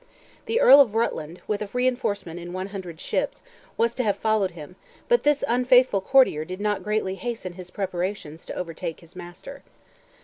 The Earl of Rutland, with a reinforcement in one hundred ships, was to have followed him, but this unfaithful courtier did not greatly hasten his preparations to overtake his master.